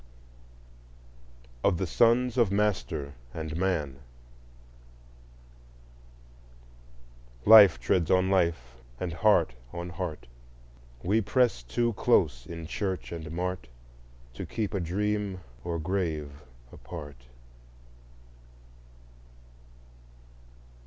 IX. Of the Sons of Master and Man Life treads on life, and heart on heart; We press too close in church and mart To keep a dream or grave apart.